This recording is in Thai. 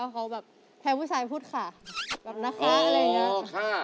แค่ผู้ชายพูดค่ะแบบน้ำค้า